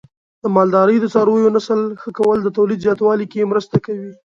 د مالدارۍ د څارویو نسل ښه کول د تولید زیاتوالي کې مرسته کوي.